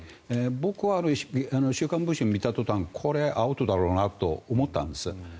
僕は「週刊文春」を見た途端これ、アウトだろうなと思ったんです。